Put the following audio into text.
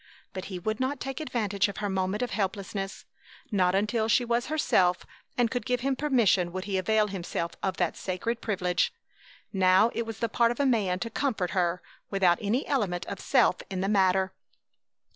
But he would not take advantage of her moment of helplessness. Not until she was herself and could give him permission would he avail himself of that sacred privilege. Now it was the part of a man to comfort her without any element of self in the matter.